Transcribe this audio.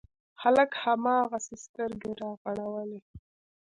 هلک هماغسې سترګې رغړولې.